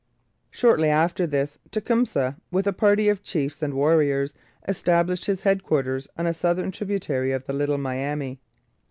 Shortly after this, Tecumseh, with a party of chiefs and warriors, established his headquarters on a southern tributary of the Little Miami.